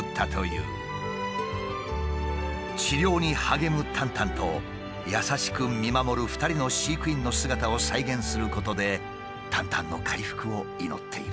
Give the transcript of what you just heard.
治療に励むタンタンと優しく見守る２人の飼育員の姿を再現することでタンタンの回復を祈っている。